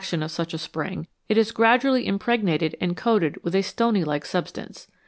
NATURAL WATERS of such a spring, it is gradually impregnated and coated with a stony like substance.